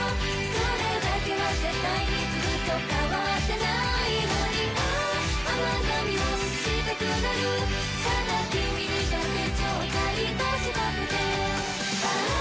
それだけは絶対にずっと変わってないのにああ甘噛みをしたくなるただ君にだけちょっかい出したくてああ